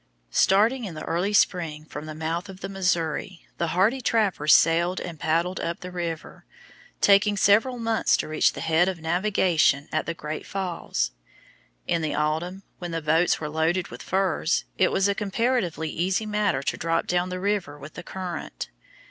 Starting in the early spring from the mouth of the Missouri, the hardy trappers sailed and paddled up the river, taking several months to reach the head of navigation at the Great Falls. In the autumn, when the boats were loaded with furs, it was a comparatively easy matter to drop down the river with the current.